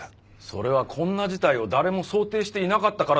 それはこんな事態を誰も想定していなかったからだろ。